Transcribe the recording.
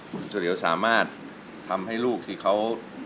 คุณเฉลียวสามารถทำให้ลูกที่เขา